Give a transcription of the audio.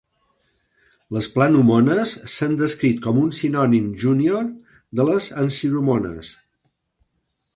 Les "Planomonas" s'han descrit com un sinònim junior de les "Ancyromonas".